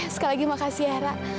sekali lagi makasih ya rah